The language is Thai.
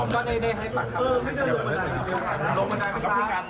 ไม่ครับ